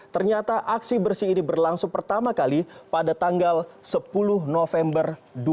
ternyata aksi bersih ini berlangsung pertama kali pada tanggal sepuluh november dua ribu dua puluh